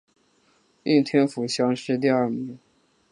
应天府乡试第二名。